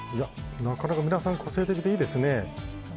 なかなか皆さん個性的でいいですね。